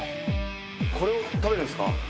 これを食べるんすか？